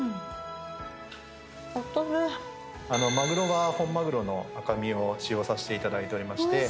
鮪は本鮪の赤身を使用させていただいておりまして。